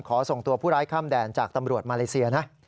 ขอส่งตัวผู้ร้ายข้ามแดนจากตำรวจมาเลเซียนะ